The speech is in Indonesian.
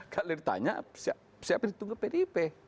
kalau ditanya siapa yang ditunggu pdip